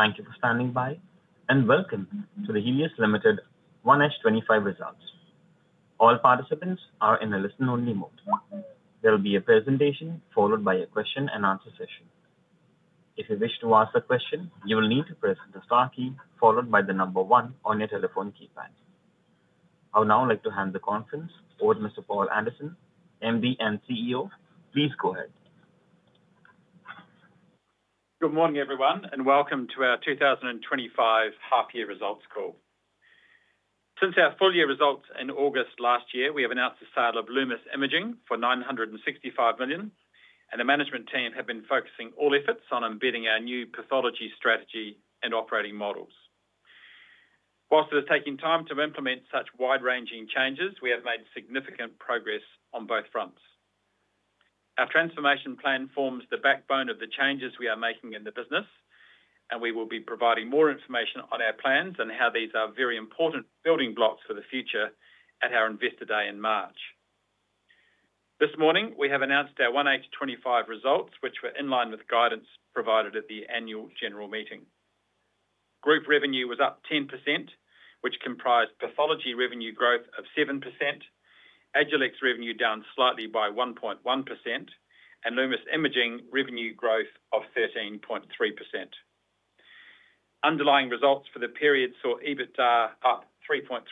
Thank you for standing by, and welcome to the Healius Limited 1H25 Results. All participants are in a listen-only mode. There will be a presentation followed by a question-and-answer session. If you wish to ask a question, you will need to press the star key followed by the number one on your telephone keypad. I would now like to hand the conference over to Mr. Paul Anderson, MD and CEO. Please go ahead. Good morning, everyone, and welcome to our 2025 half-year results call. Since our full-year results in August last year, we have announced the sale of Lumus Imaging for 965 million, and the management team have been focusing all efforts on embedding our new pathology strategy and operating models. While it is taking time to implement such wide-ranging changes, we have made significant progress on both fronts. Our transformation plan forms the backbone of the changes we are making in the business, and we will be providing more information on our plans and how these are very important building blocks for the future at our Investor Day in March. This morning, we have announced our 1H25 results, which were in line with guidance provided at the annual general meeting. Group revenue was up 10%, which comprised pathology revenue growth of 7%, Agilex revenue down slightly by 1.1%, and Lumus Imaging revenue growth of 13.3%. Underlying results for the period saw EBITDA up 3.3%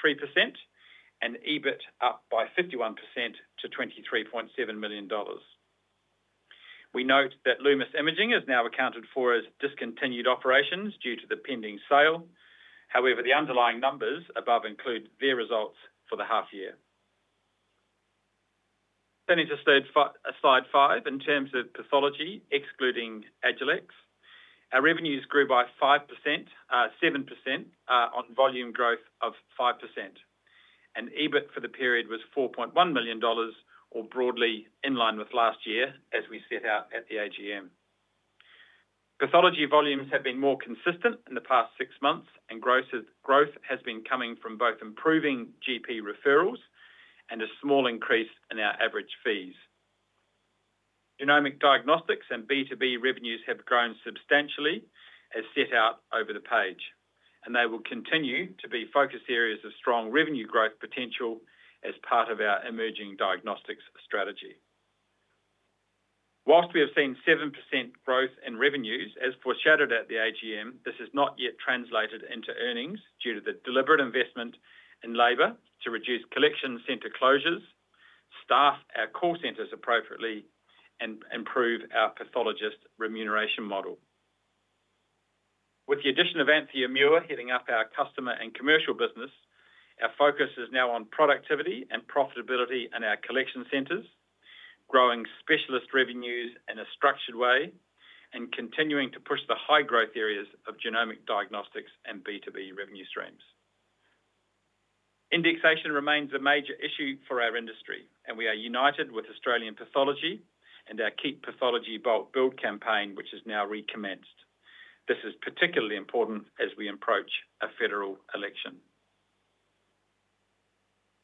and EBIT up by 51% to 23.7 million dollars. We note that Lumus Imaging is now accounted for as discontinued operations due to the pending sale. However, the underlying numbers above include their results for the half-year. Turning to slide five in terms of pathology, excluding Agilex, our revenues grew by 5%, 7% on volume growth of 5%, and EBIT for the period was 4.1 million dollars, or broadly in line with last year as we set out at the AGM. Pathology volumes have been more consistent in the past six months, and growth has been coming from both improving GP referrals and a small increase in our average fees. Genomic Diagnostics and B2B revenues have grown substantially, as set out over the page, and they will continue to be focus areas of strong revenue growth potential as part of our emerging diagnostics strategy. While we have seen 7% growth in revenues, as foreshadowed at the AGM, this has not yet translated into earnings due to the deliberate investment in labor to reduce collection center closures, staff our call centers appropriately, and improve our pathologist remuneration model. With the addition of Anthea Muir heading up our customer and commercial business, our focus is now on productivity and profitability in our collection centers, growing specialist revenues in a structured way, and continuing to push the high-growth areas of genomic diagnostics and B2B revenue streams. Indexation remains a major issue for our industry, and we are united with Australian Pathology and our Keep Pathology Bulk Bill campaign, which is now recommenced. This is particularly important as we approach a federal election.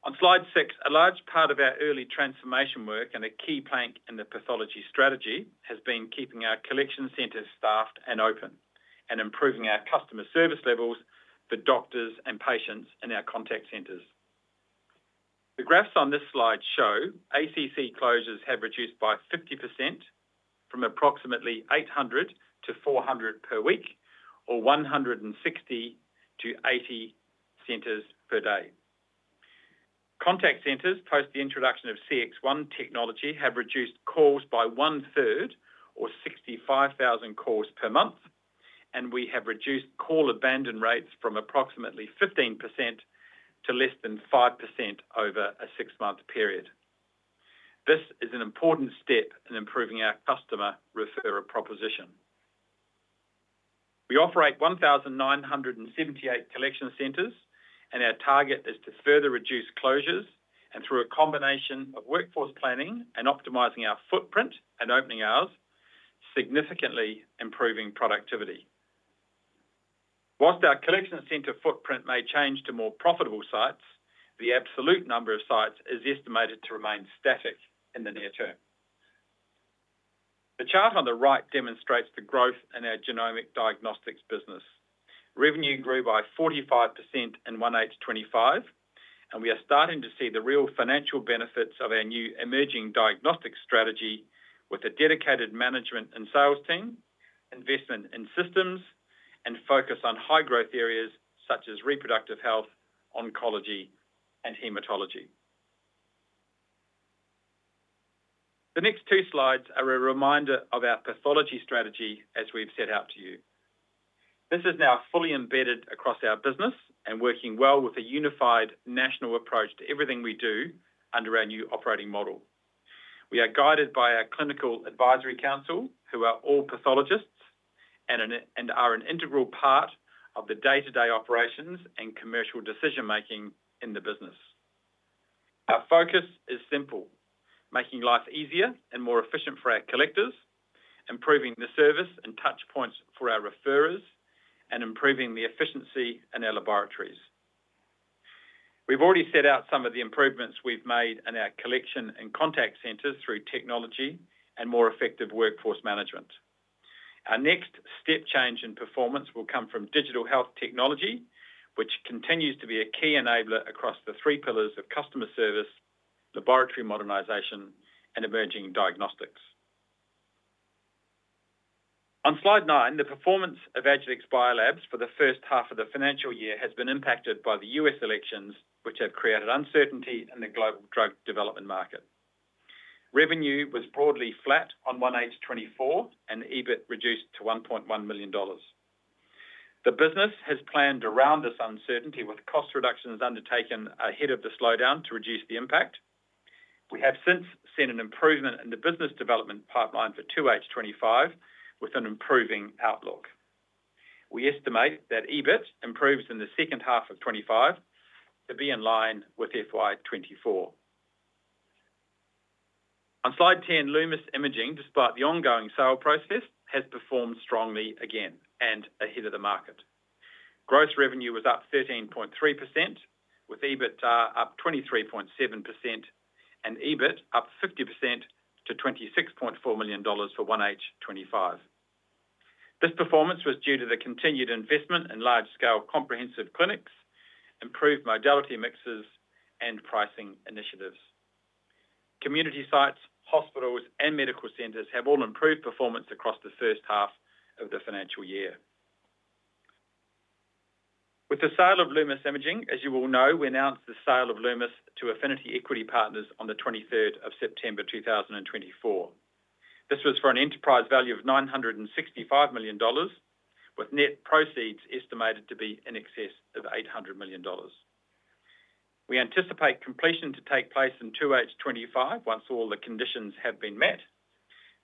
On slide six, a large part of our early transformation work and a key plank in the pathology strategy has been keeping our collection centers staffed and open, and improving our customer service levels for doctors and patients in our contact centers. The graphs on this slide show ACC closures have reduced by 50% from approximately 800 to 400 per week, or 160 to 80 centers per day. Contact centers, post the introduction of CXone technology, have reduced calls by one-third, or 65,000 calls per month, and we have reduced call abandon rates from approximately 15% to less than 5% over a six-month period. This is an important step in improving our customer referral proposition. We operate 1,978 collection centers, and our target is to further reduce closures and, through a combination of workforce planning and optimizing our footprint and opening hours, significantly improving productivity. While our collection center footprint may change to more profitable sites, the absolute number of sites is estimated to remain static in the near term. The chart on the right demonstrates the growth in our genomic diagnostics business. Revenue grew by 45% in 1H25, and we are starting to see the real financial benefits of our new emerging diagnostic strategy with a dedicated management and sales team, investment in systems, and focus on high-growth areas such as reproductive health, oncology, and hematology. The next two slides are a reminder of our pathology strategy as we've set out to you. This is now fully embedded across our business and working well with a unified national approach to everything we do under our new operating model. We are guided by our Clinical Advisory Council, who are all pathologists and are an integral part of the day-to-day operations and commercial decision-making in the business. Our focus is simple: making life easier and more efficient for our collectors, improving the service and touchpoints for our referrers, and improving the efficiency in our laboratories. We've already set out some of the improvements we've made in our collection and contact centers through technology and more effective workforce management. Our next step change in performance will come from digital health technology, which continues to be a key enabler across the three pillars of customer service, laboratory modernization, and emerging diagnostics. On slide nine, the performance of Agilex BioLabs for the first half of the financial year has been impacted by the US elections, which have created uncertainty in the global drug development market. Revenue was broadly flat on 1H24, and EBIT reduced to 1.1 million dollars. The business has planned around this uncertainty with cost reductions undertaken ahead of the slowdown to reduce the impact. We have since seen an improvement in the business development pipeline for 2H25 with an improving outlook. We estimate that EBIT improves in the second half of 2025 to be in line with FY 2024. On slide ten, Lumus Imaging, despite the ongoing sale process, has performed strongly again and ahead of the market. Gross revenue was up 13.3%, with EBITDA up 23.7%, and EBIT up 50% to 26.4 million dollars for 1H25. This performance was due to the continued investment in large-scale comprehensive clinics, improved modality mixes, and pricing initiatives. Community sites, hospitals, and medical centers have all improved performance across the first half of the financial year. With the sale of Lumus Imaging, as you will know, we announced the sale of Lumus to Affinity Equity Partners on the 23rd of September 2024. This was for an enterprise value of 965 million dollars, with net proceeds estimated to be in excess of 800 million dollars. We anticipate completion to take place in 2H25 once all the conditions have been met.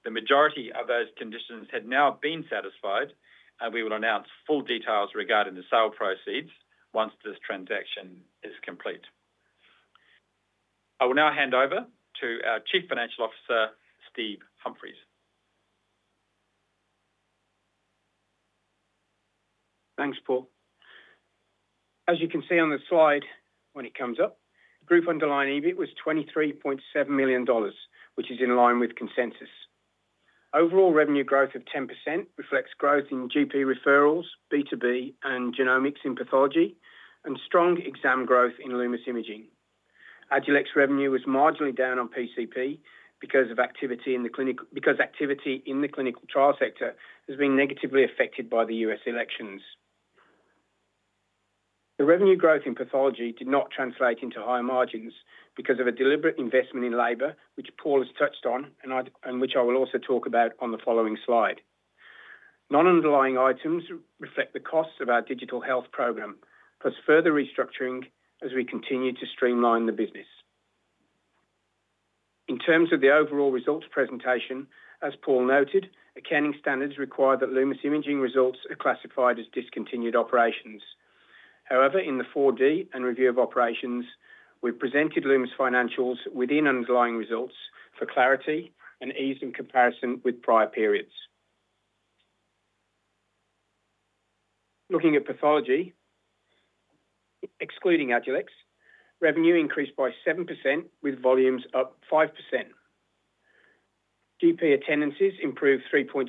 The majority of those conditions had now been satisfied, and we will announce full details regarding the sale proceeds once this transaction is complete. I will now hand over to our Chief Financial Officer, Steve Humphries. Thanks, Paul. As you can see on the slide when it comes up, group underlying EBIT was 23.7 million dollars, which is in line with consensus. Overall revenue growth of 10% reflects growth in GP referrals, B2B, and genomics in pathology, and strong exam growth in Lumus Imaging. Agilex revenue was marginally down on PCP because activity in the clinical trial sector has been negatively affected by the US elections. The revenue growth in pathology did not translate into high margins because of a deliberate investment in labor, which Paul has touched on and which I will also talk about on the following slide. Non-underlying items reflect the costs of our digital health program, plus further restructuring as we continue to streamline the business. In terms of the overall results presentation, as Paul noted, accounting standards require that Lumus Imaging results are classified as discontinued operations. However, in the 4D and review of operations, we presented Lumus financials within underlying results for clarity and ease of comparison with prior periods. Looking at pathology, excluding Agilex, revenue increased by 7%, with volumes up 5%. GP attendances improved 3.6%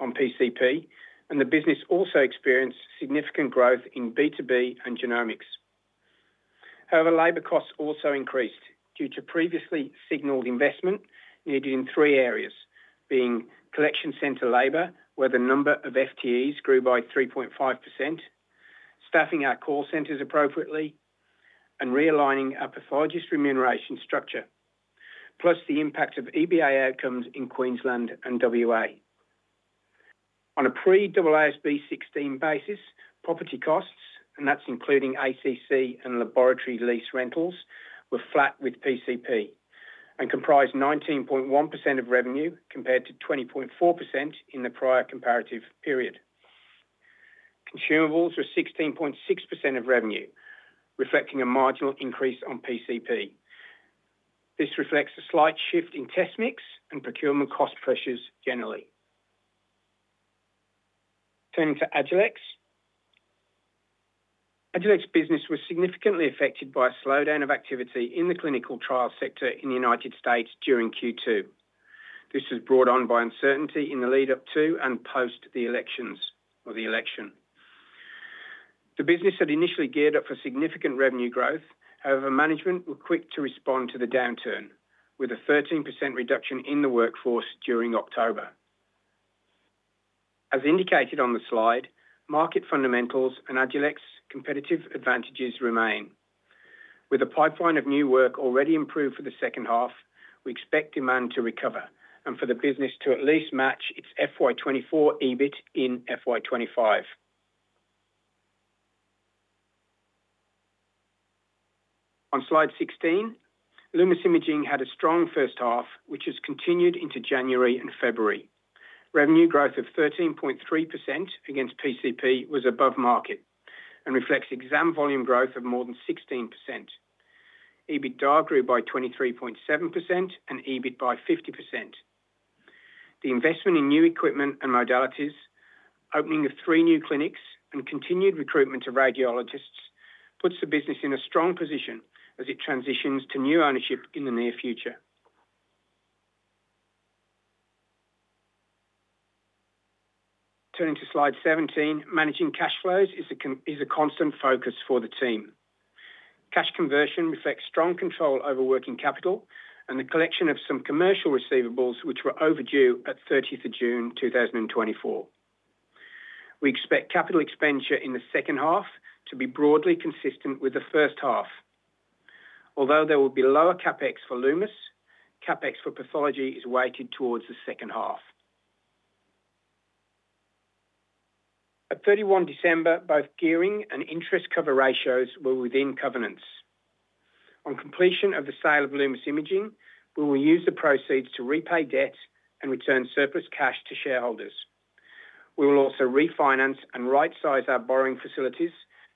on PCP, and the business also experienced significant growth in B2B and genomics. However, labor costs also increased due to previously signaled investment needed in three areas, being collection center labor, where the number of FTEs grew by 3.5%, staffing our call centers appropriately, and realigning our pathologist remuneration structure, plus the impact of EBA outcomes in Queensland and WA. On a pre-AASB 16 basis, property costs, and that's including ACC and laboratory lease rentals, were flat with PCP and comprised 19.1% of revenue compared to 20.4% in the prior comparative period. Consumables were 16.6% of revenue, reflecting a marginal increase on PCP. This reflects a slight shift in test mix and procurement cost pressures generally. Turning to Agilex, Agilex business was significantly affected by a slowdown of activity in the clinical trial sector in the United States during Q2. This was brought on by uncertainty in the lead-up to and post the elections or the election. The business had initially geared up for significant revenue growth; however, management were quick to respond to the downturn, with a 13% reduction in the workforce during October. As indicated on the slide, market fundamentals and Agilex competitive advantages remain. With a pipeline of new work already improved for the second half, we expect demand to recover and for the business to at least match its FY 2024 EBIT in FY 2025. On slide 16, Lumus Imaging had a strong first half, which has continued into January and February. Revenue growth of 13.3% against PCP was above market and reflects exam volume growth of more than 16%. EBITDA grew by 23.7% and EBIT by 50%. The investment in new equipment and modalities, opening of three new clinics, and continued recruitment of radiologists puts the business in a strong position as it transitions to new ownership in the near future. Turning to slide 17, managing cash flows is a constant focus for the team. Cash conversion reflects strong control over working capital and the collection of some commercial receivables, which were overdue at 30th of June 2024. We expect capital expenditure in the second half to be broadly consistent with the first half. Although there will be lower CapEx for Lumus, CapEx for pathology is weighted towards the second half. At 31 December, both gearing and interest cover ratios were within covenants. On completion of the sale of Lumus Imaging, we will use the proceeds to repay debt and return surplus cash to shareholders. We will also refinance and right-size our borrowing facilities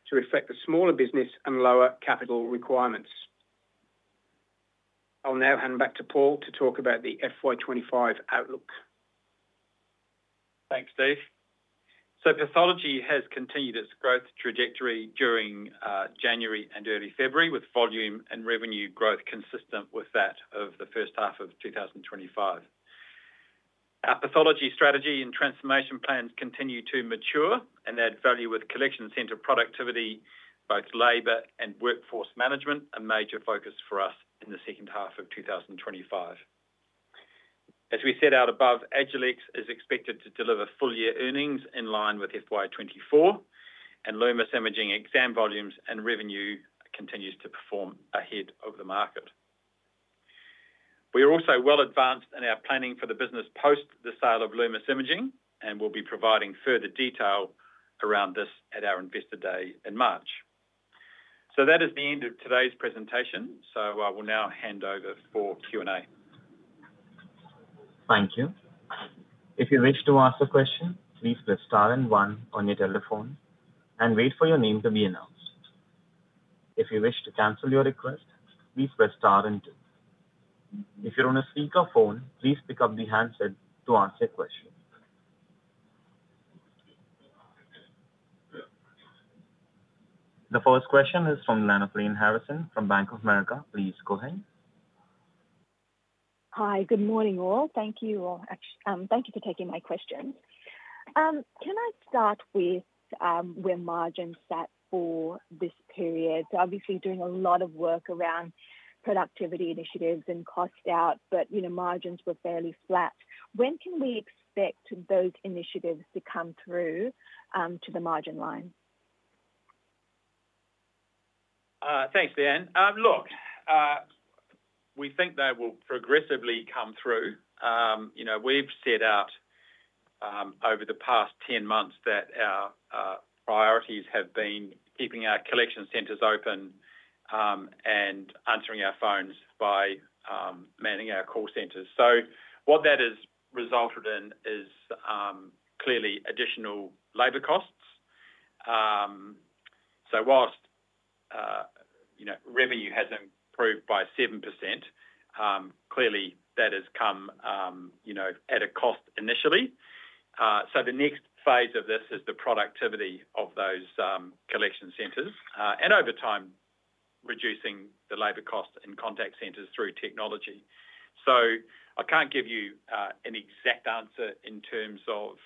to reflect the smaller business and lower capital requirements. I'll now hand back to Paul to talk about the FY25 outlook. Thanks, Steve. So pathology has continued its growth trajectory during January and early February, with volume and revenue growth consistent with that of the first half of 2025. Our pathology strategy and transformation plans continue to mature and add value with collection center productivity, both labor and workforce management, a major focus for us in the second half of 2025. As we set out above, Agilex is expected to deliver full-year earnings in line with FY 2024, and Lumus Imaging exam volumes and revenue continues to perform ahead of the market. We are also well advanced in our planning for the business post the sale of Lumus Imaging, and we'll be providing further detail around this at our investor day in March. So that is the end of today's presentation. So I will now hand over for Q&A. Thank you. If you wish to ask a question, please press star and one on your telephone and wait for your name to be announced. If you wish to cancel your request, please press star and two. If you're on a speakerphone, please pick up the handset to answer questions. The first question is from analyst Lyanne Harrison from Bank of America. Please go ahead. Hi, good morning all. Thank you for taking my questions. Can I start with where margins sat for this period? So obviously, doing a lot of work around productivity initiatives and cost out, but margins were fairly flat. When can we expect those initiatives to come through to the margin line? Thanks, Lyanne. Look, we think they will progressively come through. We've set out over the past 10 months that our priorities have been keeping our collection centers open and answering our phones by manning our call centers. So what that has resulted in is clearly additional labor costs. So while revenue has improved by 7%, clearly that has come at a cost initially. So the next phase of this is the productivity of those collection centers and over time reducing the labor costs in contact centers through technology. So I can't give you an exact answer in terms of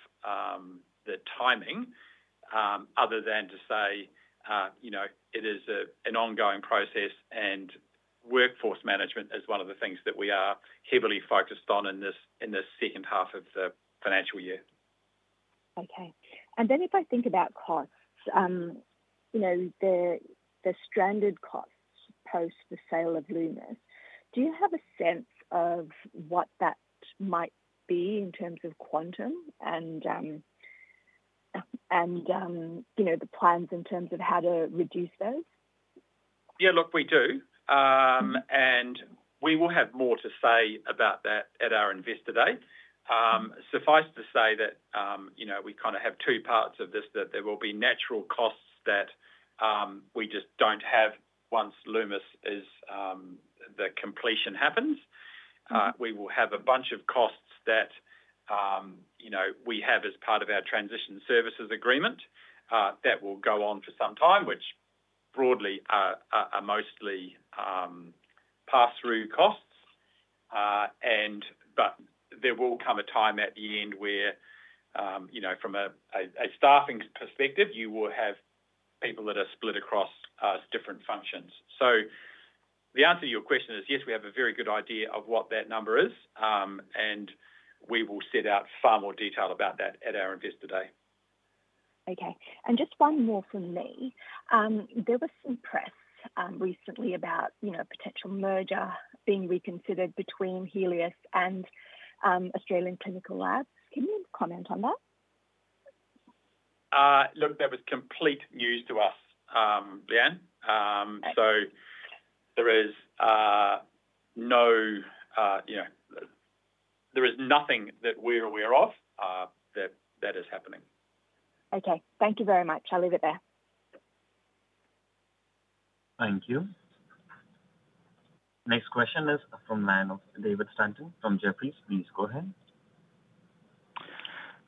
the timing other than to say it is an ongoing process, and workforce management is one of the things that we are heavily focused on in this second half of the financial year. Okay. And then if I think about costs, the stranded costs post the sale of Lumus, do you have a sense of what that might be in terms of quantum and the plans in terms of how to reduce those? Yeah, look, we do, and we will have more to say about that at our investor day. Suffice to say that we kind of have two parts of this, that there will be natural costs that we just don't have once the Lumus completion happens. We will have a bunch of costs that we have as part of our transition services agreement that will go on for some time, which broadly are mostly pass-through costs, but there will come a time at the end where, from a staffing perspective, you will have people that are split across different functions, so the answer to your question is yes, we have a very good idea of what that number is, and we will set out far more detail about that at our investor day. Okay. And just one more from me. There was some press recently about a potential merger being reconsidered between Healius and Australian Clinical Labs. Can you comment on that? Look, that was complete news to us, Lyanne. So there is nothing that we're aware of that is happening. Okay. Thank you very much. I'll leave it there. Thank you. Next question is from analyst David Stanton from Jefferies. Please go ahead.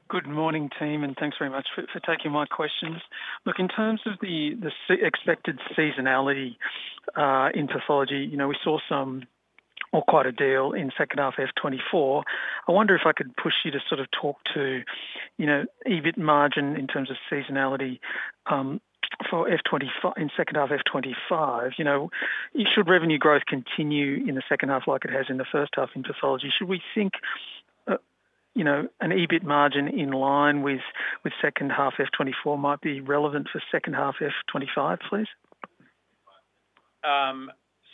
Good morning, team, and thanks very much for taking my questions. Look, in terms of the expected seasonality in pathology, we saw some or quite a deal in second half of 2024. I wonder if I could push you to sort of talk to EBIT margin in terms of seasonality for F 2024 in second half F 2025? Should revenue growth continue in the second half like it has in the first half in pathology? Should we think an EBIT margin in line with second half of 2024 might be relevant for second half of 2025, please?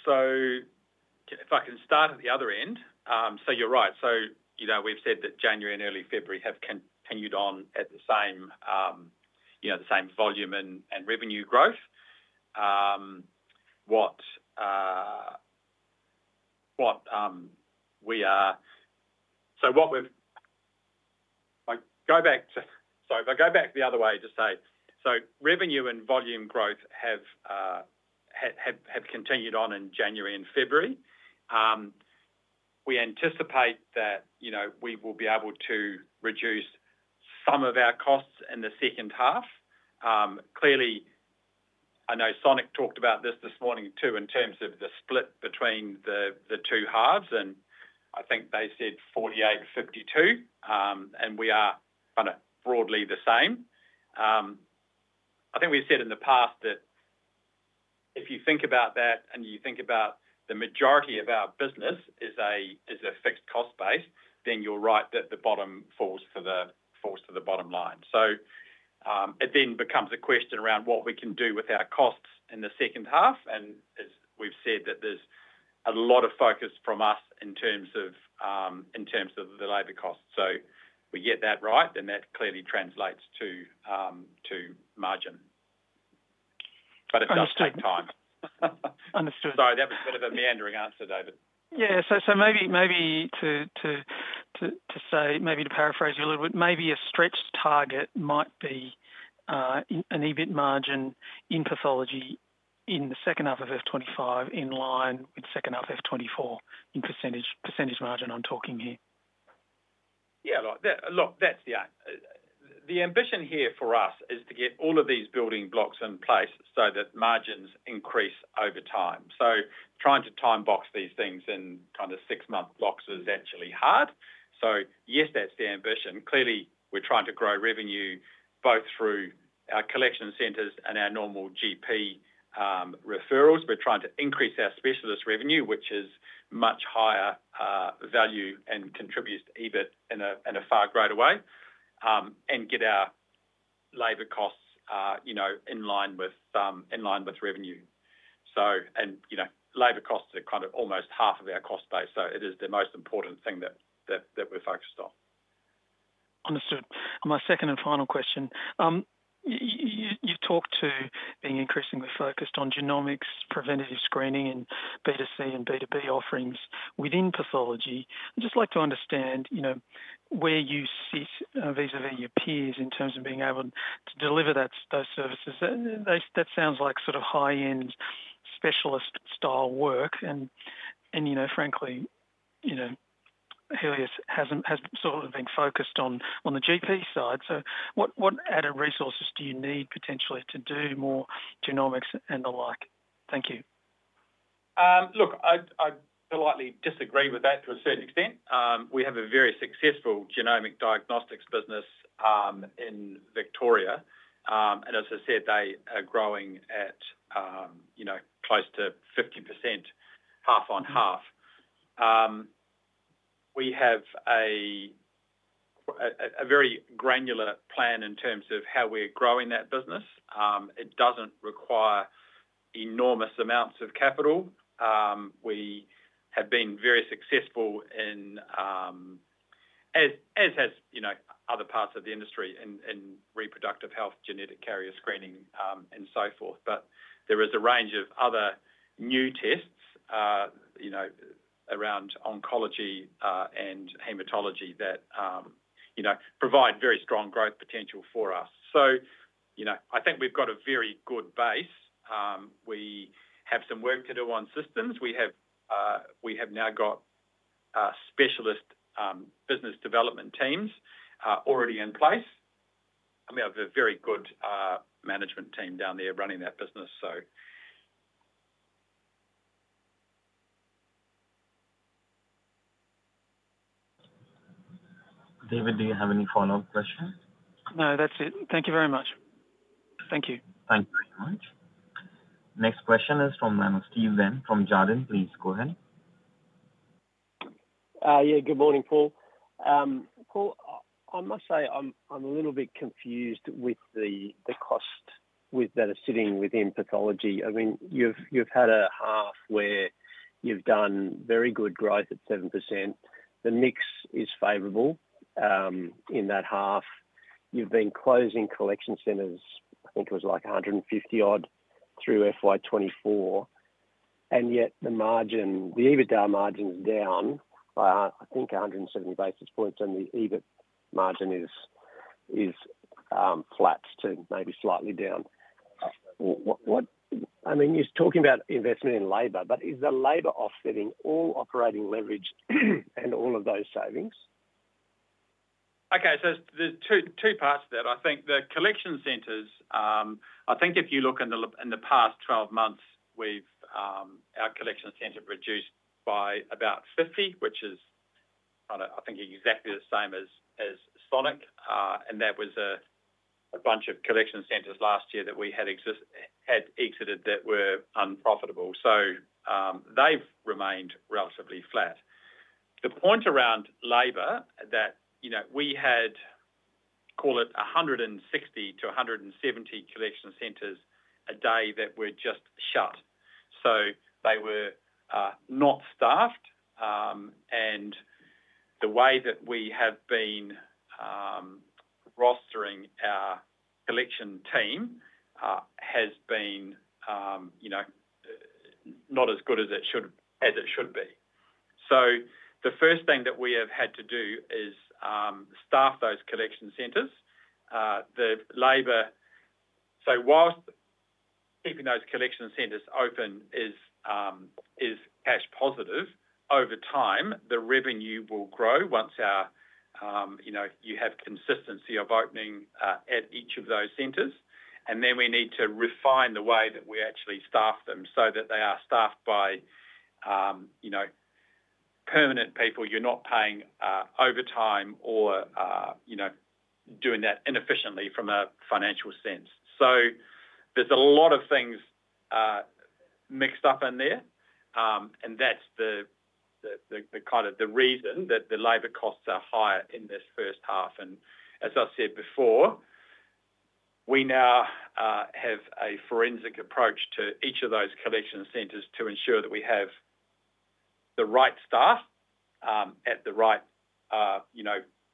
So if I can start at the other end, so you're right. So we've said that January and early February have continued on at the same volume and revenue growth. What we've, sorry, if I go back the other way, just say so revenue and volume growth have continued on in January and February. We anticipate that we will be able to reduce some of our costs in the second half. Clearly, I know Sonic talked about this this morning too in terms of the split between the two halves, and I think they said 48, 52, and we are kind of broadly the same. I think we said in the past that if you think about that and you think about the majority of our business is a fixed cost base, then you're right that the bottom falls to the bottom line. So it then becomes a question around what we can do with our costs in the second half. And as we've said, that there's a lot of focus from us in terms of the labor costs. So we get that right, and that clearly translates to margin. But it does take time. Understood. Sorry, that was a bit of a meandering answer, David. Yeah, so maybe to say, maybe to paraphrase you a little bit, maybe a stretched target might be an EBIT margin in pathology in the second half of F 2025 in line with second half of 2024 in percentage margin I'm talking here. Yeah. Look, that's the ambition here for us is to get all of these building blocks in place so that margins increase over time. So trying to time-box these things in kind of six-month blocks is actually hard. So yes, that's the ambition. Clearly, we're trying to grow revenue both through our collection centers and our normal GP referrals. We're trying to increase our specialist revenue, which is much higher value and contributes to EBIT in a far greater way and get our labor costs in line with revenue. And labor costs are kind of almost half of our cost base. So it is the most important thing that we're focused on. Understood. And my second and final question. You've talked to being increasingly focused on genomics, preventative screening, and B to C and B to B offerings within pathology. I'd just like to understand where you sit vis-à-vis your peers in terms of being able to deliver those services. That sounds like sort of high-end specialist-style work. And frankly, Healius hasn't sort of been focused on the GP side. So what added resources do you need potentially to do more genomics and the like? Thank you. Look, I'd politely disagree with that to a certain extent. We have a very successful genomic diagnostics business in Victoria. And as I said, they are growing at close to 50%, half on half. We have a very granular plan in terms of how we're growing that business. It doesn't require enormous amounts of capital. We have been very successful in, as has other parts of the industry in reproductive health, genetic carrier screening, and so forth. But there is a range of other new tests around oncology and hematology that provide very strong growth potential for us. So I think we've got a very good base. We have some work to do on systems. We have now got specialist business development teams already in place. We have a very good management team down there running that business, so. David, do you have any follow-up questions? No, that's it. Thank you very much. Thank you. Thank you very much. Next question is from the line of Steve Ng from Jarden. Please go ahead. Yeah, good morning, Paul. Paul, I must say I'm a little bit confused with the costs that are sitting within pathology. I mean, you've had a half where you've done very good growth at 7%. The mix is favorable in that half. You've been closing collection centers, I think it was like 150-odd through FY 2024. And yet the EBITDA margin's down by, I think, 170 basis points, and the EBIT margin is flat to maybe slightly down. I mean, you're talking about investment in labor, but is the labor offsetting all operating leverage and all of those savings? Okay. So there's two parts to that. I think the collection centers, I think if you look in the past 12 months, our collection centers reduced by about 50, which is, I think, exactly the same as Sonic. And that was a bunch of collection centers last year that we had exited that were unprofitable. So they've remained relatively flat. The point around labor that we had, call it 160-170 collection centers a day that were just shut. So they were not staffed. And the way that we have been rostering our collection team has been not as good as it should be. So the first thing that we have had to do is staff those collection centers. So while keeping those collection centers open is cash positive, over time, the revenue will grow once you have consistency of opening at each of those centers. And then we need to refine the way that we actually staff them so that they are staffed by permanent people. You're not paying overtime or doing that inefficiently from a financial sense. So there's a lot of things mixed up in there. And that's the kind of the reason that the labor costs are higher in this first half. And as I said before, we now have a forensic approach to each of those collection centers to ensure that we have the right staff at the right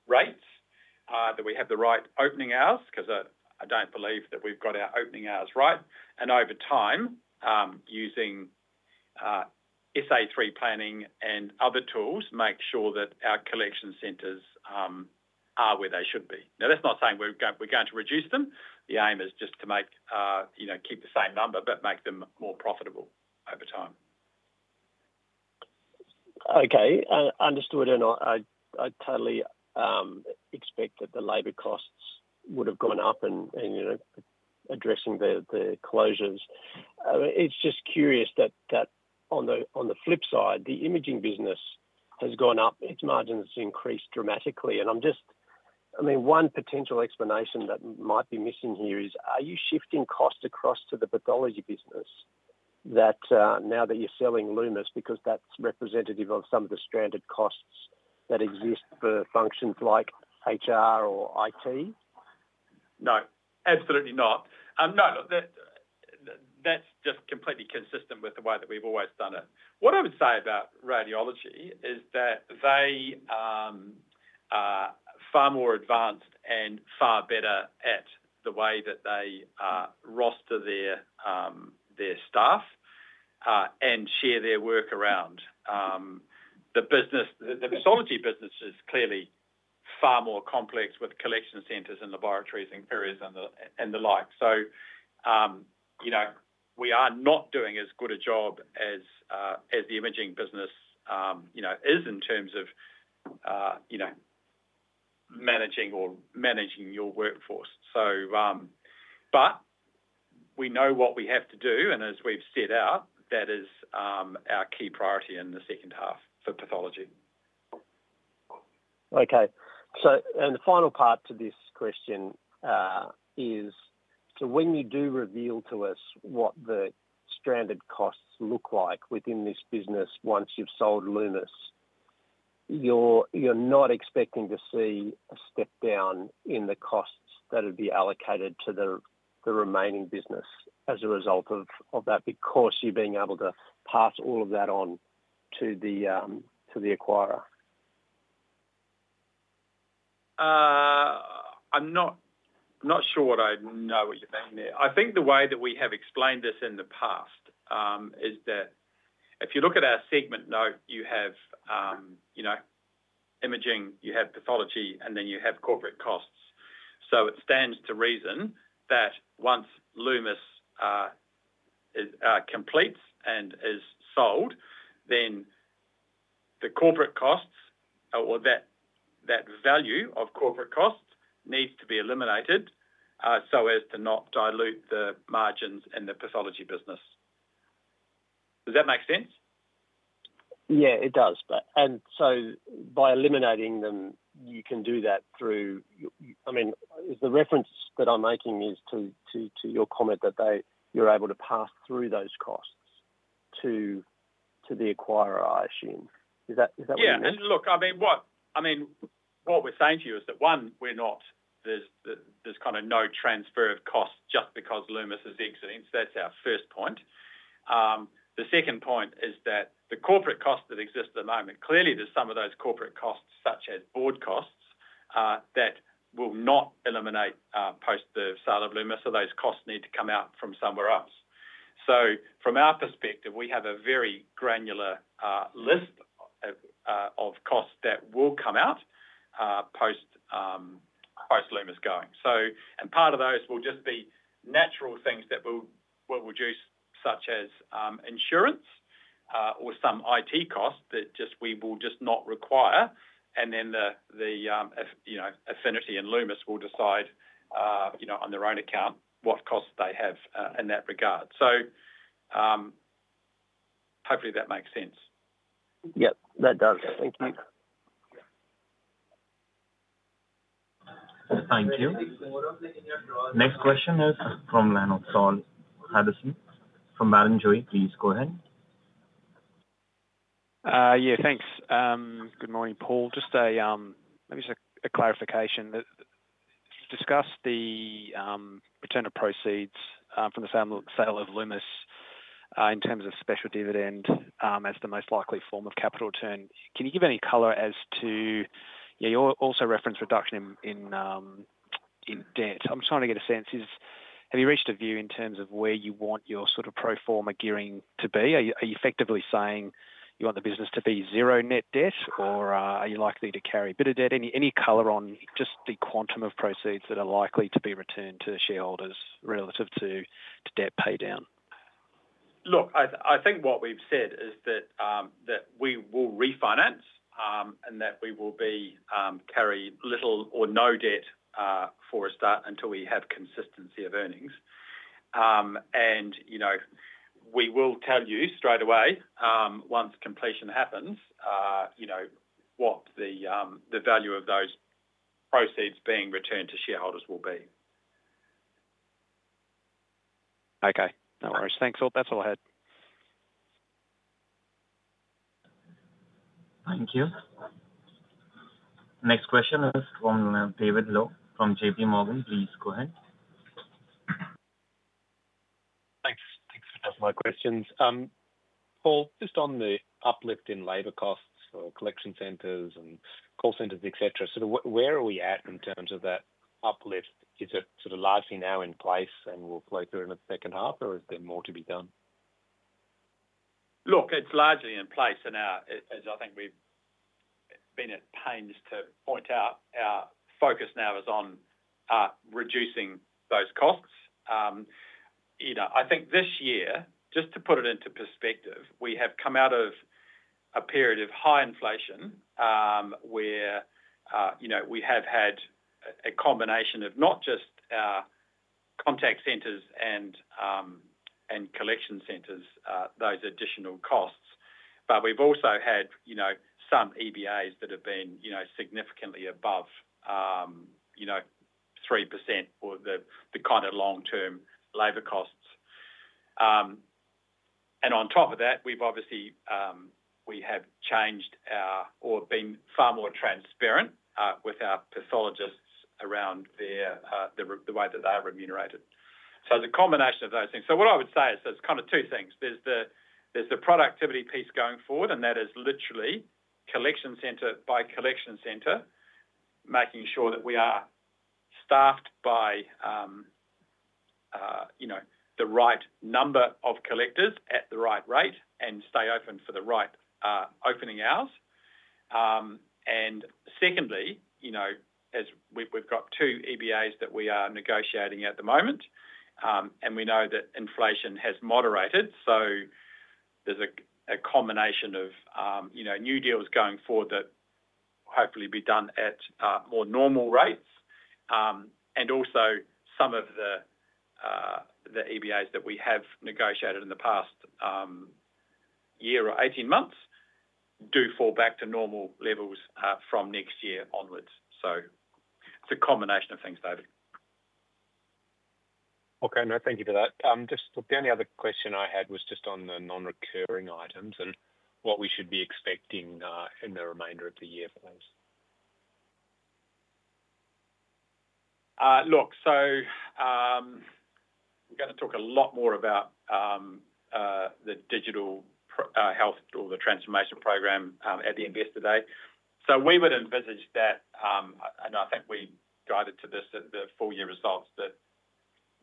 rates, that we have the right opening hours because I don't believe that we've got our opening hours right. And over time, using SA3 planning and other tools, make sure that our collection centers are where they should be. Now, that's not saying we're going to reduce them. The aim is just to keep the same number but make them more profitable over time. Okay. Understood. And I totally expected the labor costs would have gone up in addressing the closures. It's just curious that on the flip side, the imaging business has gone up. Its margins have increased dramatically. And I mean, one potential explanation that might be missing here is, are you shifting costs across to the pathology business now that you're selling Lumus because that's representative of some of the stranded costs that exist for functions like HR or IT? No. Absolutely not. No, that's just completely consistent with the way that we've always done it. What I would say about radiology is that they are far more advanced and far better at the way that they roster their staff and share their work around. The pathology business is clearly far more complex with collection centers and laboratories and areas and the like. So we are not doing as good a job as the imaging business is in terms of managing your workforce. But we know what we have to do. And as we've set out, that is our key priority in the second half for pathology. Okay. And the final part to this question is, so when you do reveal to us what the stranded costs look like within this business once you've sold Lumus, you're not expecting to see a step down in the costs that would be allocated to the remaining business as a result of that because you're being able to pass all of that on to the acquirer? I'm not sure, I know what you mean there. I think the way that we have explained this in the past is that if you look at our segment note, you have imaging, you have pathology, and then you have corporate costs. So it stands to reason that once Lumus completes and is sold, then the corporate costs or that value of corporate costs needs to be eliminated so as to not dilute the margins in the pathology business. Does that make sense? Yeah, it does. And so by eliminating them, you can do that through, I mean, the reference that I'm making is to your comment that you're able to pass through those costs to the acquirer, I assume. Is that what you mean? Yeah. And look, I mean, what we're saying to you is that, one, there's kind of no transfer of costs just because Lumus is exiting. So that's our first point. The second point is that the corporate costs that exist at the moment, clearly, there's some of those corporate costs such as board costs that will not eliminate post the start of Lumus. So those costs need to come out from somewhere else. So from our perspective, we have a very granular list of costs that will come out post Lumus going. And part of those will just be natural things that will reduce, such as insurance or some IT costs that we will just not require. And then Affinity and Lumus will decide on their own account what costs they have in that regard. So hopefully, that makes sense. Yep, that does. Thank you. Thank you. Next question is from [Saul Hadassin] from Barrenjoey. Please go ahead. Yeah, thanks. Good morning, Paul. Just maybe a clarification. You discussed the return of proceeds from the sale of Lumus in terms of special dividend as the most likely form of capital return. Can you give any color as to, yeah, you also referenced reduction in debt. I'm trying to get a sense. Have you reached a view in terms of where you want your sort of pro forma gearing to be? Are you effectively saying you want the business to be zero net debt, or are you likely to carry a bit of debt? Any color on just the quantum of proceeds that are likely to be returned to shareholders relative to debt paydown? Look, I think what we've said is that we will refinance and that we will carry little or no debt for a start until we have consistency of earnings, and we will tell you straight away once completion happens what the value of those proceeds being returned to shareholders will be. Okay. No worries. Thanks. That's all I had. Thank you. Next question is from David Low from JP Morgan. Please go ahead. Thanks. Thanks for taking my questions. Paul, just on the uplift in labor costs for collection centers and call centers, etc., sort of where are we at in terms of that uplift? Is it sort of largely now in place and will flow through in the second half, or is there more to be done? Look, it's largely in place as I think we've been at pains to point out. Our focus now is on reducing those costs. I think this year, just to put it into perspective, we have come out of a period of high inflation where we have had a combination of not just our contact centers and collection centers, those additional costs, but we've also had some EBAs that have been significantly above 3% or the kind of long-term labor costs. And on top of that, we've obviously changed our, or been far more transparent with our pathologists around the way that they are remunerated. So it's a combination of those things. So what I would say is there's kind of two things. There's the productivity piece going forward, and that is literally collection center by collection center, making sure that we are staffed by the right number of collectors at the right rate and stay open for the right opening hours. And secondly, as we've got two EBAs that we are negotiating at the moment, and we know that inflation has moderated. So there's a combination of new deals going forward that hopefully be done at more normal rates. And also, some of the EBAs that we have negotiated in the past year or 18 months do fall back to normal levels from next year onwards. So it's a combination of things, David. Okay. No, thank you for that. Just the only other question I had was just on the non-recurring items and what we should be expecting in the remainder of the year for those. Look, so we're going to talk a lot more about the digital health or the transformation program at the investor day. So we would envisage that, and I think we guided to this at the full year results, that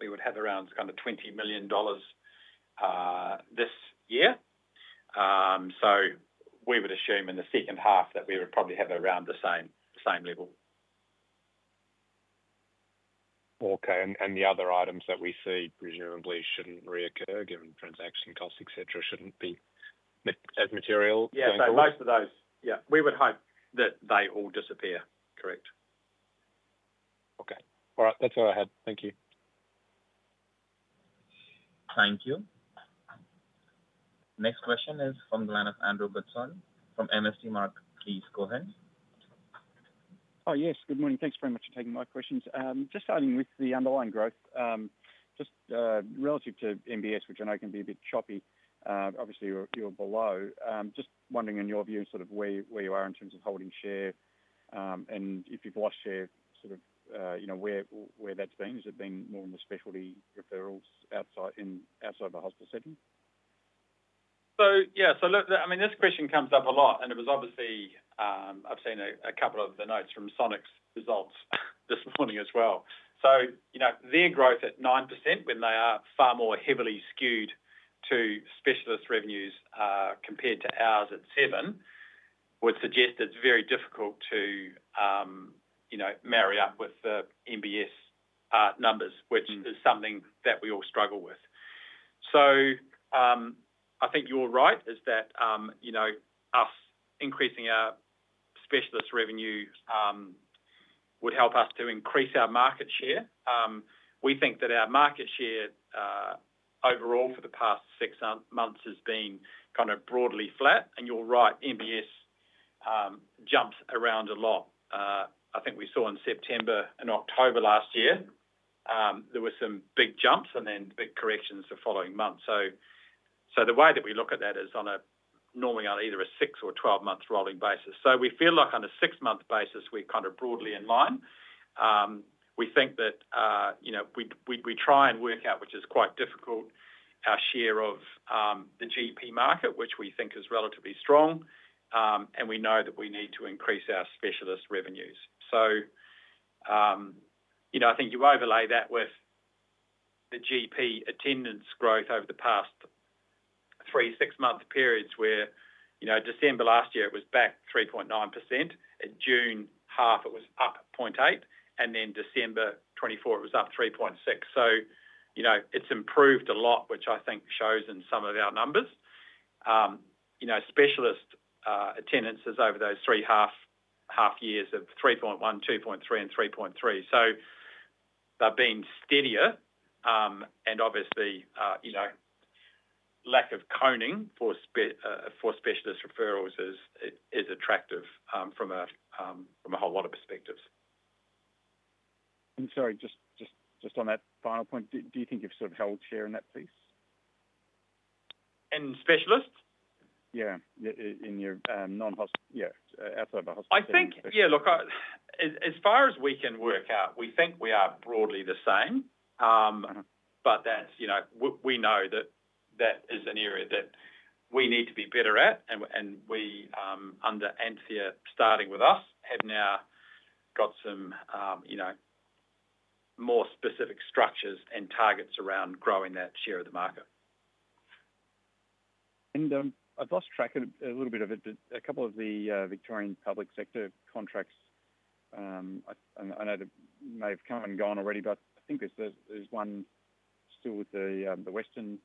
we would have around kind of 20 million dollars this year. So we would assume in the second half that we would probably have around the same level. Okay. And the other items that we see presumably shouldn't reoccur given transaction costs, etc., shouldn't be as material going forward. Yeah. So most of those, yeah, we would hope that they all disappear. Correct. Okay. All right. That's all I had. Thank you. Thank you. Next question is from from MST Marquee. Please go ahead. Oh, yes. Good morning. Thanks very much for taking my questions. Just starting with the underlying growth, just relative to MBS, which I know can be a bit choppy. Obviously, you're below. Just wondering in your view sort of where you are in terms of holding share and if you've lost share, sort of where that's been. Has it been more in the specialty referrals outside of the hospital setting? Yeah. Look, I mean, this question comes up a lot. And it was obviously. I've seen a couple of the notes from Sonic's results this morning as well. So their growth at 9% when they are far more heavily skewed to specialist revenues compared to ours at 7% would suggest it's very difficult to marry up with the MBS numbers, which is something that we all struggle with. So I think you're right as that us increasing our specialist revenue would help us to increase our market share. We think that our market share overall for the past six months has been kind of broadly flat. And you're right, MBS jumps around a lot. I think we saw in September and October last year, there were some big jumps and then big corrections the following month. So the way that we look at that is normally on either a six or 12-month rolling basis. So we feel like on a six-month basis, we're kind of broadly in line. We think that we try and work out, which is quite difficult, our share of the GP market, which we think is relatively strong. And we know that we need to increase our specialist revenues. So I think you overlay that with the GP attendance growth over the past three, six-month periods where December last year it was back 3.9%. At June half, it was up 0.8%. And then December 2024, it was up 3.6%. So it's improved a lot, which I think shows in some of our numbers. Specialist attendance is over those three half years of 3.1, 2.3, and 3.3. So they've been steadier. Obviously, lack of coning for specialist referrals is attractive from a whole lot of perspectives. Sorry, just on that final point, do you think you've sort of held share in that piece? In specialists? Yeah. In your non-hospital outside of the hospital sector. I think, yeah, look, as far as we can work out, we think we are broadly the same. But we know that that is an area that we need to be better at. And we, under Anthea starting with us, have now got some more specific structures and targets around growing that share of the market. I've lost track a little bit of it, but a couple of the Victorian public sector contracts, I know they may have come and gone already, but I think there's one still with Western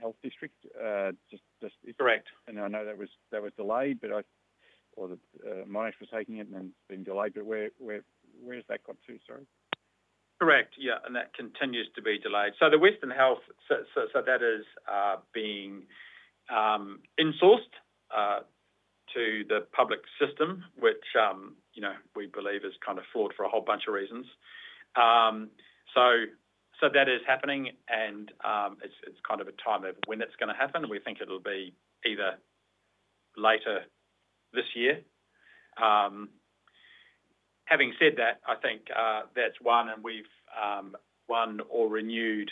Health. Correct. And I know that was delayed, but or the Monash was taking it and then it's been delayed. But where has that got to, sorry? Correct. Yeah. And that continues to be delayed. So the Western Health, so that is being insourced to the public system, which we believe is kind of flawed for a whole bunch of reasons. So that is happening. And it's kind of a time of when it's going to happen. We think it'll be either later this year. Having said that, I think that's one. And we've won or renewed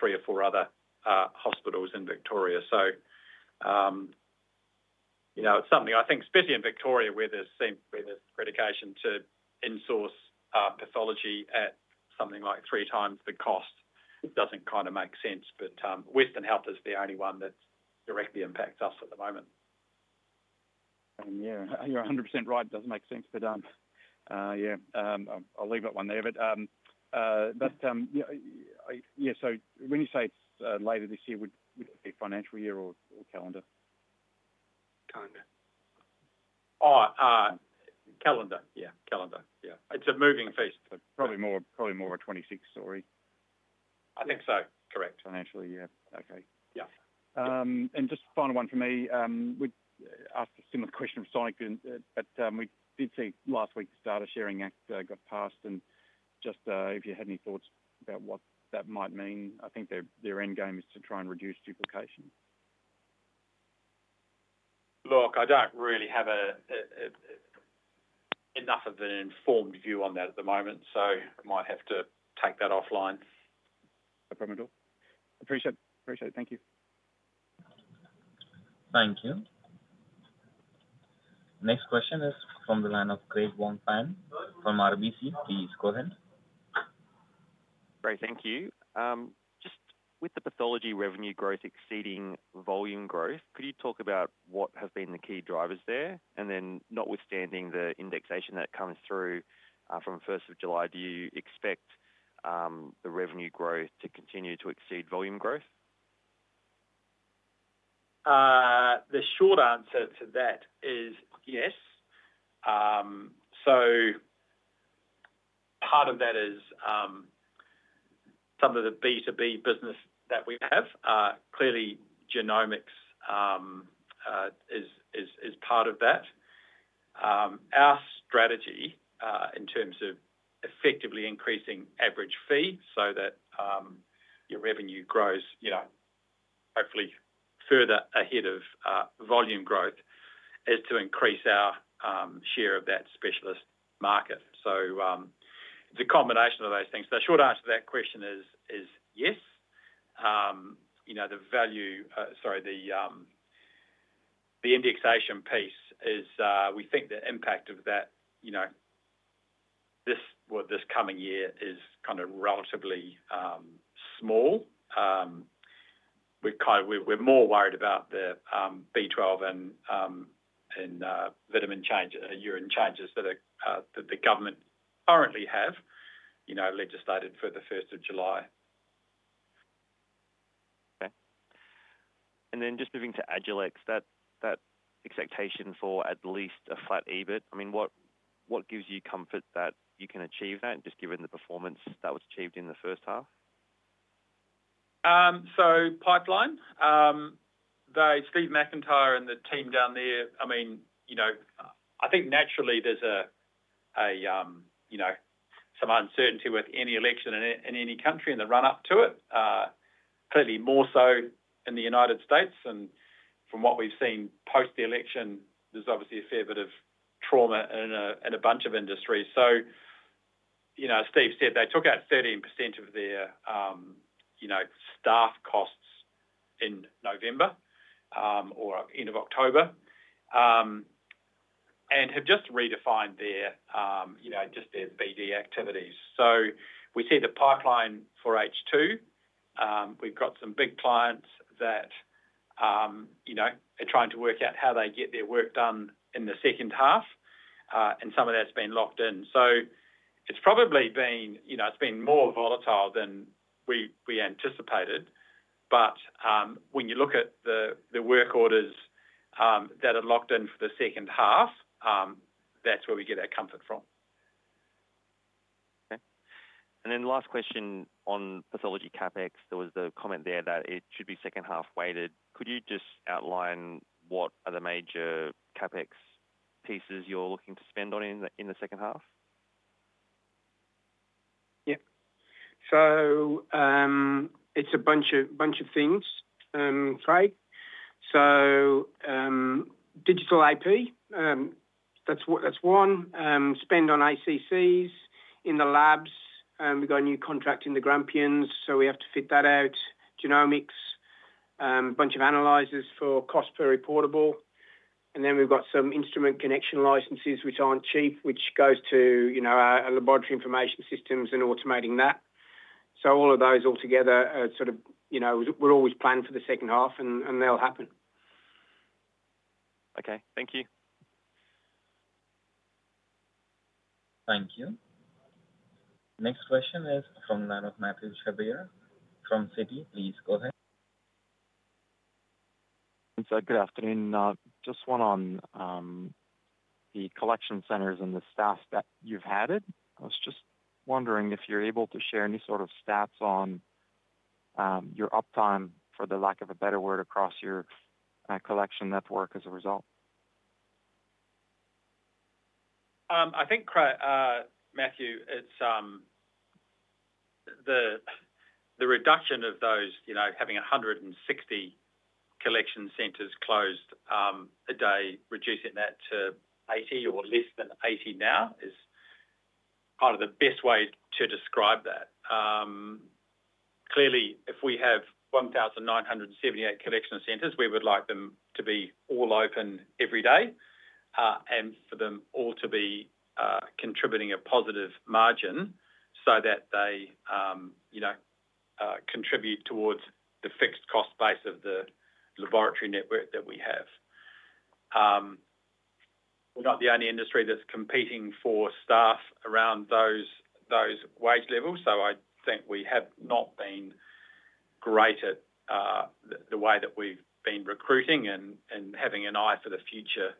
three or four other hospitals in Victoria. So it's something I think, especially in Victoria where there's precedent to insource pathology at something like three times the cost, it doesn't kind of make sense. But Western Health is the only one that directly impacts us at the moment. Yeah. You're 100% right. It doesn't make sense. But yeah, I'll leave that one there. But yeah, so when you say it's later this year, would it be financial year or calendar? Calendar. Oh, calendar. Yeah. Calendar. Yeah. It's a moving feast. Probably more a 2026 story. I think so. Correct. Financially, yeah. Okay. Yeah. Just final one for me. We asked a similar question from Sonic, but we did see last week the Data Sharing Act got passed. Just if you had any thoughts about what that might mean, I think their end game is to try and reduce duplication. Look, I don't really have enough of an informed view on that at the moment, so I might have to take that offline. No problem at all. Appreciate it. Appreciate it. Thank you. Thank you. Next question is from the line of Craig Wong-Pan from RBC. Please go ahead. Great. Thank you. Just with the pathology revenue growth exceeding volume growth, could you talk about what has been the key drivers there? And then notwithstanding the indexation that comes through from 1st of July, do you expect the revenue growth to continue to exceed volume growth? The short answer to that is yes. So part of that is some of the B2B business that we have. Clearly, genomics is part of that. Our strategy in terms of effectively increasing average fee so that your revenue grows hopefully further ahead of volume growth is to increase our share of that specialist market. So it's a combination of those things. The short answer to that question is yes. The value, sorry, the indexation piece is we think the impact of this coming year is kind of relatively small. We're more worried about the B12 and vitamin changes that the government currently have legislated for the 1st of July. Okay. And then just moving to Agilex, that expectation for at least a flat EBIT. I mean, what gives you comfort that you can achieve that just given the performance that was achieved in the first half? So, pipeline. Steve McIntyre and the team down there, I mean, I think naturally there's some uncertainty with any election in any country in the run-up to it, clearly more so in the United States. And from what we've seen post the election, there's obviously a fair bit of trauma in a bunch of industries. So Steve said they took out 13% of their staff costs in November or end of October and have just redefined their BD activities. So we see the pipeline for H2. We've got some big clients that are trying to work out how they get their work done in the second half. And some of that's been locked in. So it's probably been more volatile than we anticipated. But when you look at the work orders that are locked in for the second half, that's where we get our comfort from. Okay, and then last question on pathology CapEx. There was a comment there that it should be second half weighted. Could you just outline what are the major CapEx pieces you're looking to spend on in the second half? Yeah. So it's a bunch of things, Craig. So digital AP, that's one. Spend on ACCs in the labs. We've got a new contract in the Grampians, so we have to fit that out. Genomics, a bunch of analyzers for cost per reportable. And then we've got some instrument connection licenses, which aren't cheap, which goes to our laboratory information systems and automating that. So all of those altogether are sort of we're always planning for the second half, and they'll happen. Okay. Thank you. Thank you. Next question is from Mathieu Chevrier from Citi. Please go ahead. Good afternoon. Just one on the collection centers and the staff that you've had. I was just wondering if you're able to share any sort of stats on your uptime for the lack of a better word across your collection network as a result? I think, Mathieu, it's the reduction of those having 160 collection centers closed a day, reducing that to 80 or less than 80 now is probably the best way to describe that. Clearly, if we have 1,978 collection centers, we would like them to be all open every day and for them all to be contributing a positive margin so that they contribute towards the fixed cost base of the laboratory network that we have. We're not the only industry that's competing for staff around those wage levels. So I think we have not been great at the way that we've been recruiting and having an eye for the future,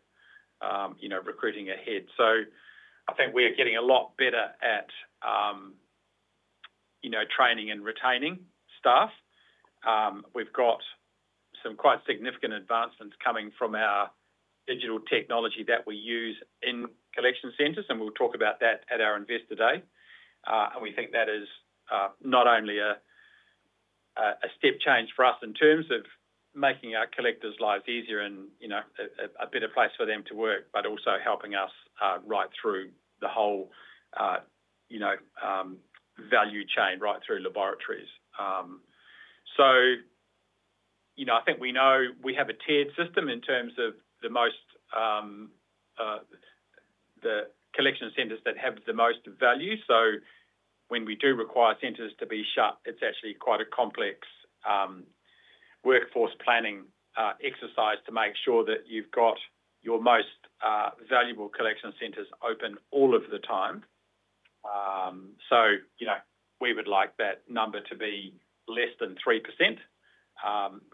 recruiting ahead. So I think we are getting a lot better at training and retaining staff. We've got some quite significant advancements coming from our digital technology that we use in collection centers. And we'll talk about that at our investor day today. We think that is not only a step change for us in terms of making our collectors' lives easier and a better place for them to work, but also helping us right through the whole value chain, right through laboratories. So I think we know we have a tiered system in terms of the collection centers that have the most value. So when we do require centers to be shut, it's actually quite a complex workforce planning exercise to make sure that you've got your most valuable collection centers open all of the time. So we would like that number to be less than 3%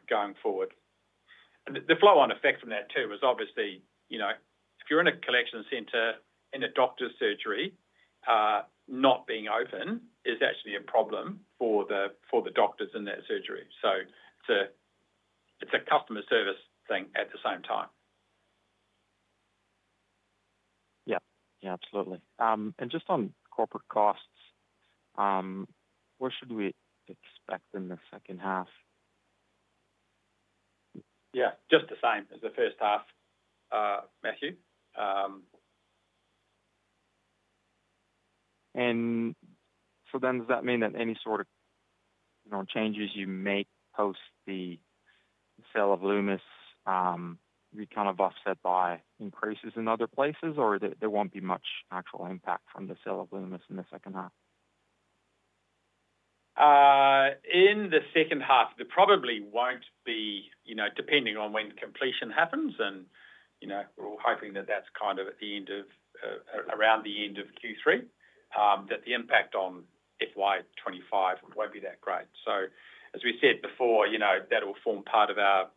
going forward. The flow-on effect from that too is obviously if you're in a collection center in a doctor's surgery, not being open is actually a problem for the doctors in that surgery. So it's a customer service thing at the same time. Yeah. Yeah. Absolutely. And just on corporate costs, what should we expect in the second half? Yeah. Just the same as the first half, Matthew. And so then does that mean that any sort of changes you make post the sale of Lumus, you kind of offset by increases in other places, or there won't be much actual impact from the sale of Lumus in the second half? In the second half, there probably won't be, depending on when completion happens and we're all hoping that that's kind of at the end of around the end of Q3, that the impact on FY25 won't be that great, so as we said before, that will form part of our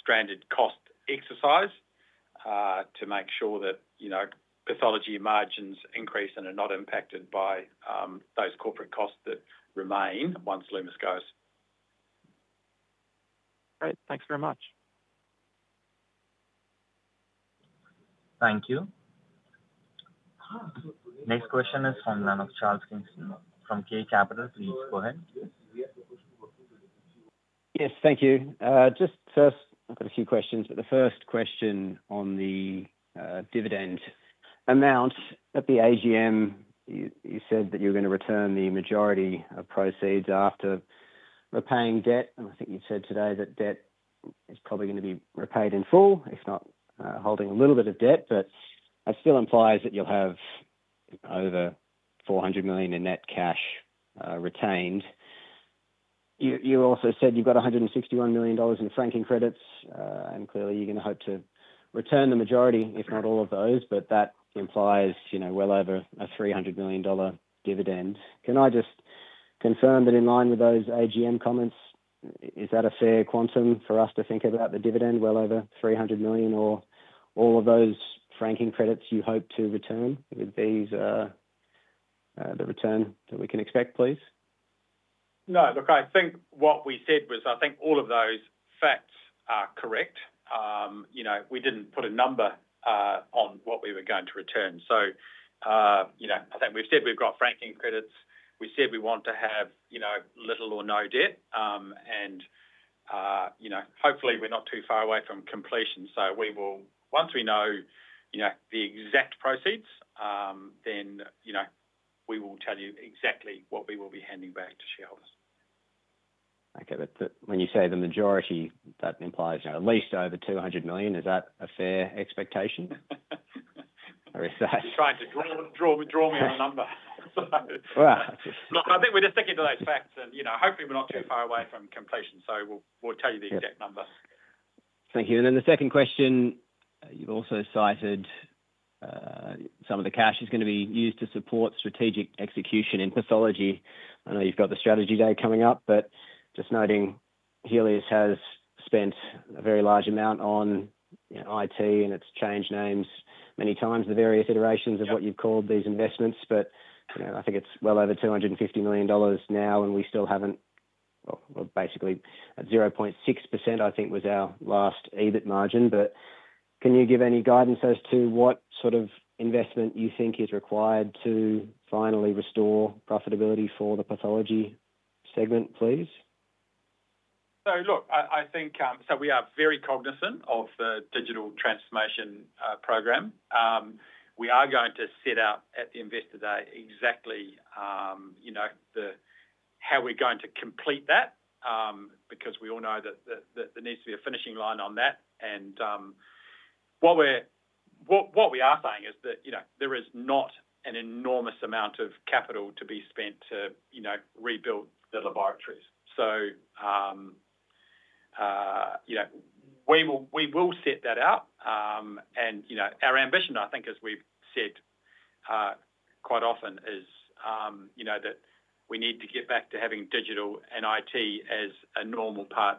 stranded cost exercise to make sure that pathology margins increase and are not impacted by those corporate costs that remain once Lumus goes. Great. Thanks very much. Thank you. Next question is from [Charles Kingston] from K Capital. Please go ahead. Yes. Thank you. Just first, I've got a few questions. But the first question on the dividend amount at the AGM, you said that you're going to return the majority of proceeds after repaying debt. And I think you said today that debt is probably going to be repaid in full, if not holding a little bit of debt. But that still implies that you'll have over 400 million in net cash retained. You also said you've got 161 million dollars in franking credits. And clearly, you're going to hope to return the majority, if not all of those. But that implies well over a 300 million dollar dividend. Can I just confirm that in line with those AGM comments, is that a fair quantum for us to think about the dividend, well over 300 million or all of those franking credits you hope to return with the return that we can expect, please? No. Look, I think what we said was I think all of those facts are correct. We didn't put a number on what we were going to return. So I think we've said we've got franking credits. We said we want to have little or no debt. And hopefully, we're not too far away from completion. So once we know the exact proceeds, then we will tell you exactly what we will be handing back to shareholders. Okay. When you say the majority, that implies at least over 200 million. Is that a fair expectation? You're trying to draw me on a number. I think we're just sticking to those facts, and hopefully, we're not too far away from completion, so we'll tell you the exact number. Thank you. And then the second question, you've also cited some of the cash is going to be used to support strategic execution in pathology. I know you've got the strategy day coming up. But just noting Healius has spent a very large amount on IT, and it's changed names many times, the various iterations of what you've called these investments. But I think it's well over 250 million dollars now, and we still haven't basically at 0.6%, I think, was our last EBIT margin. But can you give any guidance as to what sort of investment you think is required to finally restore profitability for the pathology segment, please? So look, I think so we are very cognizant of the digital transformation program. We are going to set out at the investor day exactly how we're going to complete that because we all know that there needs to be a finishing line on that. And what we are saying is that there is not an enormous amount of capital to be spent to rebuild the laboratories. So we will set that out. And our ambition, I think, as we've said quite often, is that we need to get back to having digital and IT as a normal part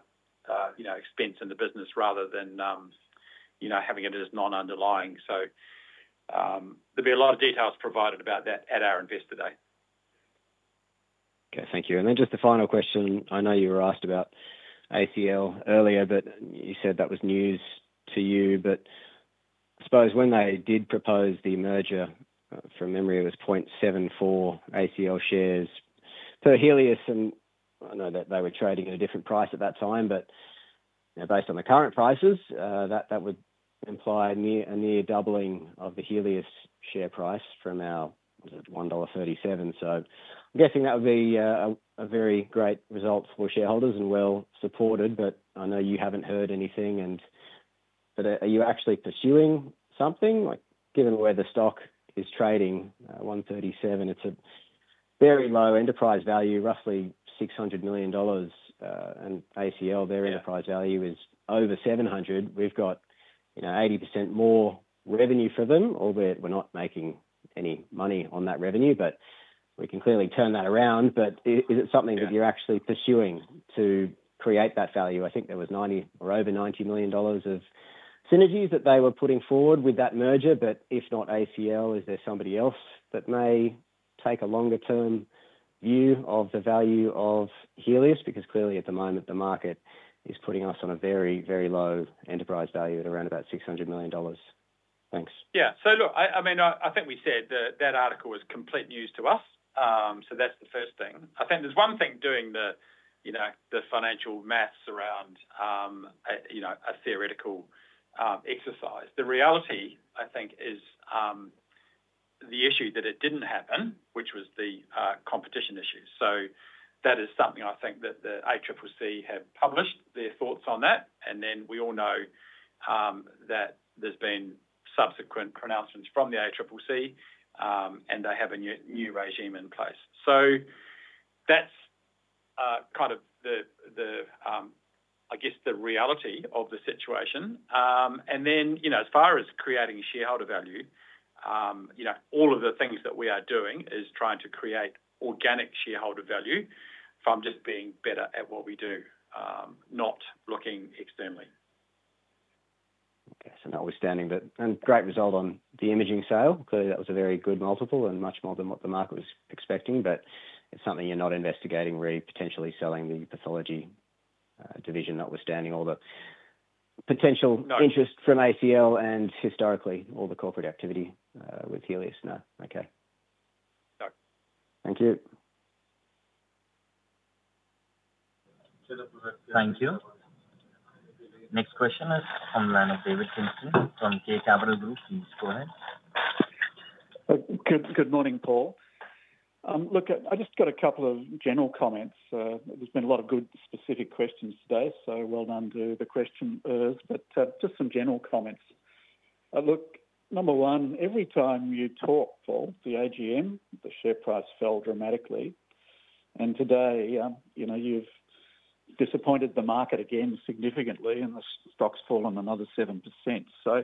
expense in the business rather than having it as non-underlying. So there'll be a lot of details provided about that at our investor day. Okay. Thank you. And then just the final question. I know you were asked about ACL earlier, but you said that was news to you. But I suppose when they did propose the merger, from memory, it was 0.74 ACL shares. So Healius, I know that they were trading at a different price at that time. But based on the current prices, that would imply a near doubling of the Healius share price from our 1.37 dollar. So I'm guessing that would be a very great result for shareholders and well supported. But I know you haven't heard anything. But are you actually pursuing something? Given where the stock is trading, 1.37, it's a very low enterprise value, roughly 600 million dollars. And ACL, their enterprise value is over 700 million. We've got 80% more revenue for them. Although we're not making any money on that revenue, but we can clearly turn that around. But is it something that you're actually pursuing to create that value? I think there was 90 or over 90 million dollars of synergies that they were putting forward with that merger. But if not ACL, is there somebody else that may take a longer-term view of the value of Healius? Because clearly, at the moment, the market is putting us on a very, very low enterprise value at around about 600 million dollars. Thanks. Yeah. So look, I mean, I think we said that that article was complete news to us. So that's the first thing. I think there's one thing doing the financial math around a theoretical exercise. The reality, I think, is the issue that it didn't happen, which was the competition issue. So that is something I think that the ACCC have published their thoughts on that. And then we all know that there's been subsequent pronouncements from the ACCC, and they have a new regime in place. So that's kind of, I guess, the reality of the situation. And then as far as creating shareholder value, all of the things that we are doing is trying to create organic shareholder value from just being better at what we do, not looking externally. Okay, so notwithstanding that and great result on the imaging sale. Clearly, that was a very good multiple and much more than what the market was expecting, but it's something you're not investigating, really, potentially selling the pathology division, notwithstanding all the potential interest from ACL and historically all the corporate activity with Healius. No. Okay. No. Thank you. Thank you. Next question is from from K Capital Group. Please go ahead. Good morning, Paul. Look, I just got a couple of general comments. There's been a lot of good specific questions today. So well done to the questioners. But just some general comments. Look, number one, every time you talk, Paul, the AGM, the share price fell dramatically. And today, you've disappointed the market again significantly, and the stock's fallen another 7%. So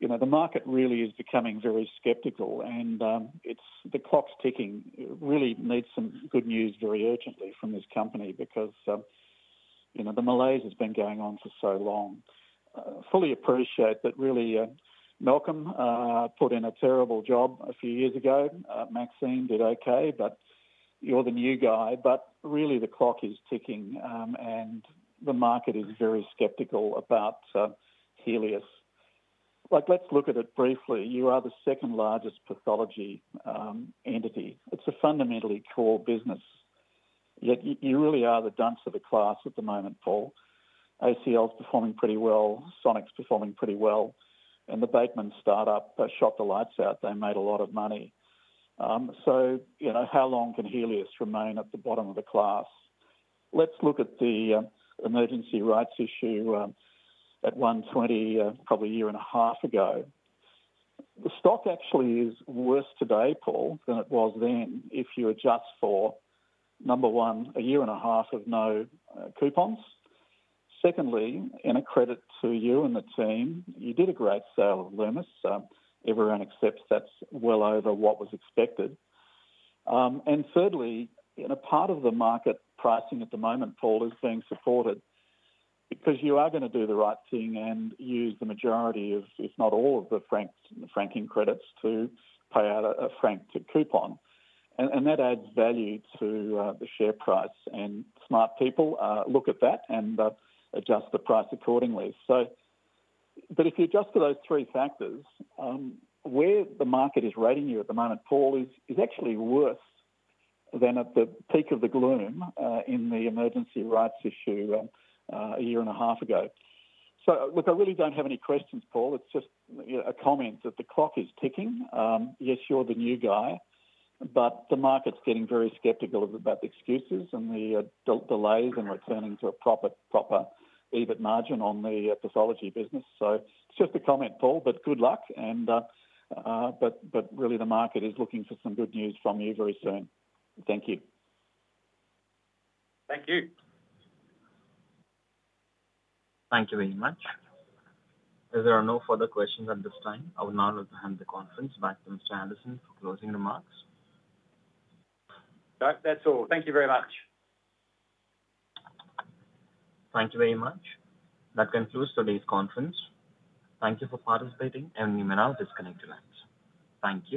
the market really is becoming very skeptical. And the clock's ticking. Really need some good news very urgently from this company because the malaise has been going on for so long. Fully appreciate that really Malcolm put in a terrible job a few years ago. Maxine did okay. But you're the new guy. But really, the clock is ticking, and the market is very skeptical about Healius. Look, let's look at it briefly. You are the second largest pathology entity. It's a fundamentally core business. Yet you really are the dunce of the class at the moment, Paul. ACL's performing pretty well. Sonic performing pretty well. And the Bateman startup shot the lights out. They made a lot of money. So how long can Healius remain at the bottom of the class? Let's look at the emergency rights issue at 120 probably a year and a half ago. The stock actually is worse today, Paul, than it was then if you adjust for, number one, a year and a half of no coupons. Secondly, in a credit to you and the team, you did a great sale of Lumus. Everyone accepts that's well over what was expected. And thirdly, part of the market pricing at the moment, Paul, is being supported because you are going to do the right thing and use the majority of, if not all of the franking credits to pay out a frank coupon. And that adds value to the share price. And smart people look at that and adjust the price accordingly. But if you adjust for those three factors, where the market is rating you at the moment, Paul, is actually worse than at the peak of the gloom in the emergency rights issue a year and a half ago. So look, I really don't have any questions, Paul. It's just a comment that the clock is ticking. Yes, you're the new guy. But the market's getting very skeptical about the excuses and the delays in returning to a proper EBIT margin on the pathology business. So it's just a comment, Paul. But good luck. But really, the market is looking for some good news from you very soon. Thank you. Thank you. Thank you very much. If there are no further questions at this time, I would now like to hand the conference back to Mr. Anderson for closing remarks. No, that's all. Thank you very much. Thank you very much. That concludes today's conference. Thank you for participating, and you may now disconnect to lunch. Thank you.